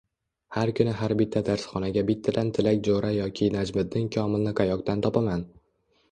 Har kuni har bitta darsxonaga bittadan Tilak Jo‘ra yoki Najmiddin Komilni qayoqdan topaman…